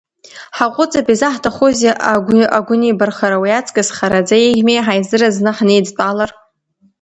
Ҳаҟәыҵып, изаҳҭахузеи агәнибархара, уи аҵкыс хараӡа еиӷьми, ҳаизыразны ҳнеидтәалар…